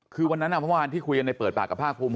คือวันนั้นเมื่อวานที่คุยกันในเปิดปากกับภาคภูมิ